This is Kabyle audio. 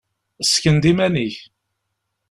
Sken-d iman-ik!